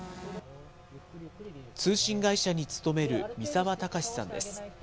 通信会社に勤める三澤正実さんです。